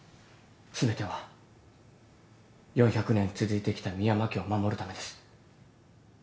全ては４００年続いてきた深山家を守るためです。